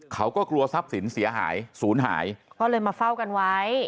เขาก็กลัวทรัพย์สินเสียหายศูนย์หายก็เลยมาเฝ้ากันไว้